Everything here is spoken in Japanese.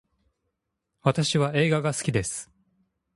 私は映画が好きです